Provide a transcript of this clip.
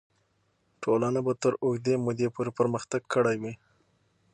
ټولنه به تر اوږدې مودې پورې پرمختګ کړی وي.